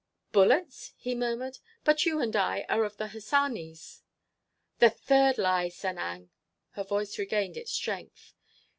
"Bullets?" he murmured. "But you and I are of the Hassanis." "The third lie, Sanang!" Her voice had regained its strength.